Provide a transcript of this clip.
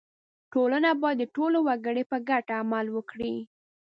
• ټولنه باید د ټولو وګړو په ګټه عمل وکړي.